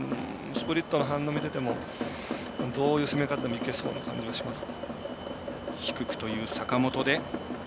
スプリットの反応見ててもどう攻めてもいけそうな感じがします。